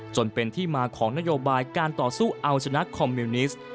จนเป็นที่มาของนโยบายการต่อสู้เอาชนะคอมมิวนิสต์